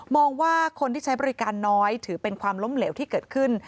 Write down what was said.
ว่าคนที่ใช้บริการน้อยถือเป็นความล้มเหลวที่เกิดขึ้น